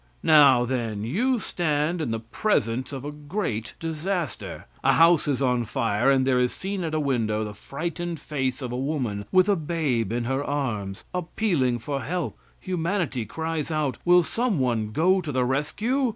Now, then, you stand in the presence of a great disaster. A house is on fire, and there is seen at a window the frightened face of a woman with a babe in her arms, appealing for help; humanity cries out: "Will someone go to the rescue?"